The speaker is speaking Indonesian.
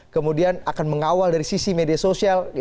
kemudian akan mengawal dari sisi media sosial